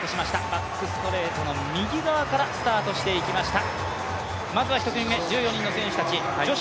バックストレートの右側からスタートしていきました。